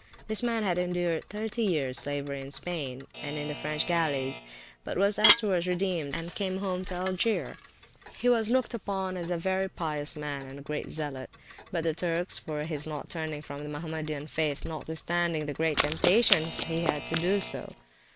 This man had endured thirty years slavery in Spain, and in the French gallies, but was afterwards redeemed and came home to Algier. He was looked upon as a very pious man, and a great Zealot, by the Turks, for his not turning from the Mahommedan faith, notwithstanding the great temptations he had so to do.